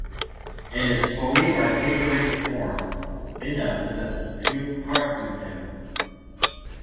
In its fully articulated form, Binah possesses two "partzufim".